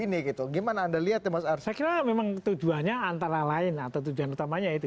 lagi gitu gimana anda lihat mas arsya memang tujuannya antara lain atau tujuan utamanya itu